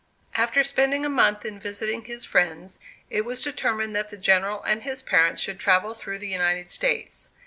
After spending a month in visiting his friends, it was determined that the General and his parents should travel through the United States.